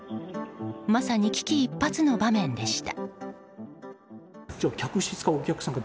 まさに危機一髪の場面でした。